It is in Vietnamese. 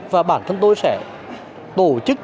và bản thân tôi sẽ tổ chức